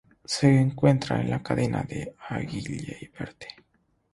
Se encuentra en la Cadena de la Aiguille Verte.